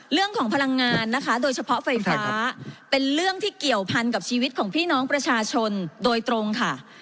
พลังงานนะคะโดยเฉพาะไฟฟ้าเป็นเรื่องที่เกี่ยวพันกับชีวิตของพี่น้องประชาชนโดยตรงค่ะ